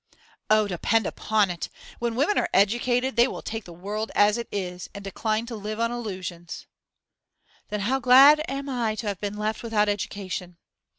'Oh, depend upon it! When women are educated, they will take the world as it is, and decline to live on illusions.' 'Then how glad I am to have been left without education!